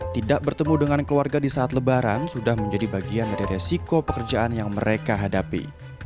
tidak bertemu dengan keluarga di saat lebaran sudah menjadi bagian dari resiko pekerjaan yang mereka hadapi